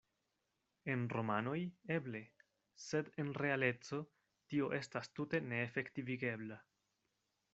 En romanoj, eble; sed en realeco, tio estas tute ne efektivigebla.